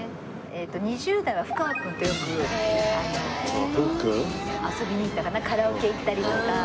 ２０代は布川君とよく遊びに行ったかなカラオケ行ったりとか。